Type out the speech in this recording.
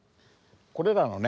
これらのね